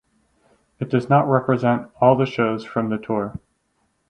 It does not represent all the shows from the tour.